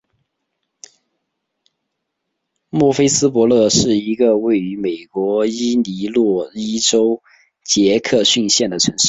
莫菲斯伯勒是一个位于美国伊利诺伊州杰克逊县的城市。